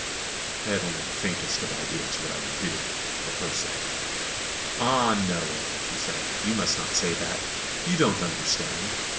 I had only the faintest of ideas of what I would do for her sake. "Ah, no," she said, "you must not say that. You don't understand....